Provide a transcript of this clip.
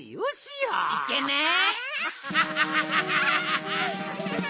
いけねっ！